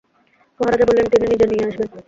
মহারাজা বললেন, তিনি নিজে নিয়ে আসবেন।